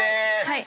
はい。